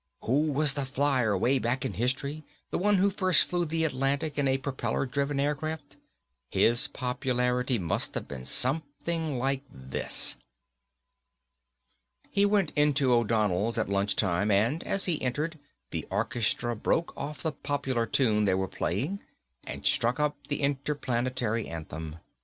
Who was the flyer, way back in history, the one who first flew the Atlantic in a propeller driven aircraft? His popularity must have been something like this. He went into O'Donnell's at lunch time and as he entered the orchestra broke off the popular tune they were playing and struck up the Interplanetary Anthem.